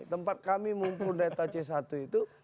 tempat kami mumpung data c satu itu